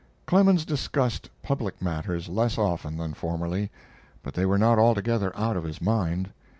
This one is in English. Clemens discussed public matters less often than formerly, but they were not altogether out of his mind.